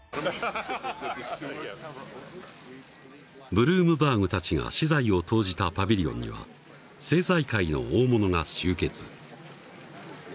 ブルームバーグたちが私財を投じたパビリオンには政財界の大物が集結。